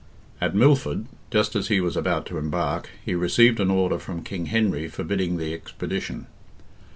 At Milford, just as he was about to embark, he received an order from King Henry forbidding the expedition.